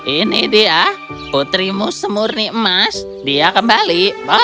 ini dia putrimu semurni emas dia kembali